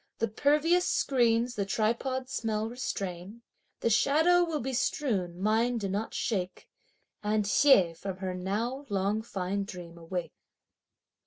The pervious screens the tripod smell restrain. The shadow will be strewn, mind do not shake And (Hsieh) from her now long fine dream (awake)!